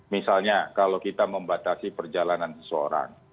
misalnya kalau kita membatasi perjalanan seseorang